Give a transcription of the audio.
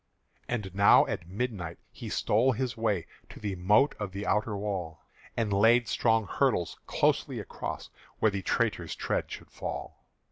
And now at midnight he stole his way To the moat of the outer wall, And laid strong hurdles closely across Where the traitors' tread should fall.